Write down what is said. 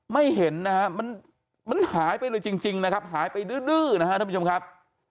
ไม่เห็นนะมันมันหายไปเลยจริงนะครับหายไปดื้อดื้อนะฮะทำมาครับ